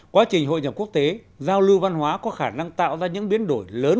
quá trình hội nhập quốc tế giao lưu văn hóa có khả năng tạo ra những biến đổi lớn